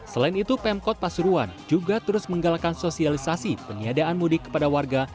selain itu pemkot pasuruan juga terus menggalakan sosialisasi peniadaan mudik kepada warga